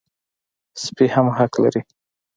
سپي هم حق لري.